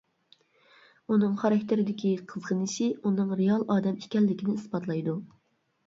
ئۇنىڭ خاراكتېرىدىكى قىزغىنىشى ئۇنىڭ رېئال ئادەم ئىكەنلىكىنى ئىسپاتلايدۇ.